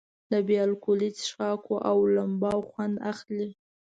له بې الکولي څښاکونو او لمباوو خوند اخلي.